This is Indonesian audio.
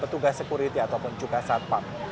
petugas sekuriti ataupun juga satpam